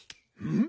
ん？